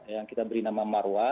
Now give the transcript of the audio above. yang kita beri nama marwa